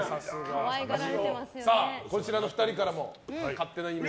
こちらの２人からも勝手なイメージ。